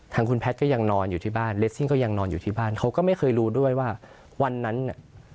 ทางคุณแพทย์ก็ยังนอนอยู่ที่บ้านเลสซิ่งก็ยังนอนอยู่ที่บ้านเขาก็ไม่เคยรู้ด้วยว่าวันนั้นน่ะ